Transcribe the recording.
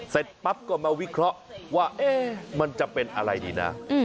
เสร็จปั๊บก็มาวิเคราะห์ว่ามันจะเป็นอะไรดีนะ